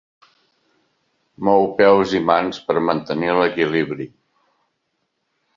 Mou peus i mans per mantenir l'equilibri.